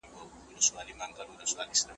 د کندهار ماشومان په خپلو منځو کي کومې لوبې کوي؟